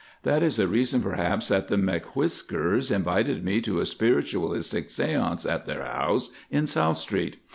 That is the reason perhaps that the M'Whiskers invited me to a spiritualistic seance at their house in South Street.